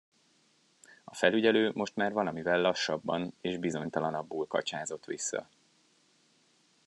A felügyelő most már valamivel lassabban és bizonytalanabbul kacsázott vissza.